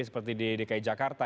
seperti di dki jakarta